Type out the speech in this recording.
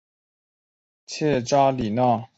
切扎里娜是巴西戈亚斯州的一个市镇。